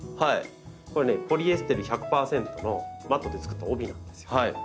これねポリエステル１００％のマットで作った帯なんですよ。